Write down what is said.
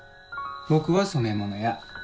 僕は染め物屋。